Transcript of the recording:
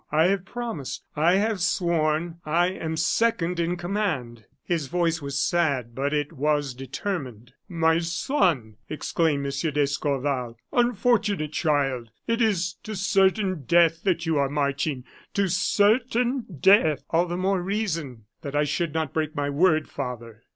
I have promised I have sworn. I am second in command." His voice was sad, but it was determined. "My son!" exclaimed M. d'Escorval; "unfortunate child! it is to certain death that you are marching to certain death." "All the more reason that I should not break my word, father."